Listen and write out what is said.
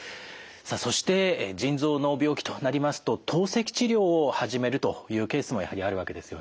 さあそして腎臓の病気となりますと透析治療を始めるというケースもやはりあるわけですよね。